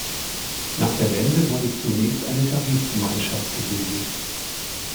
Nach der Wende wurde zunächst eine Tarifgemeinschaft gebildet.